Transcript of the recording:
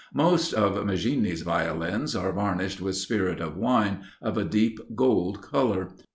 Most of Maggini's Violins are varnished with spirit of wine, of a deep gold colour.